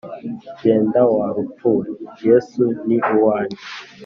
Genda wa rupfu we yesu ni uwanjye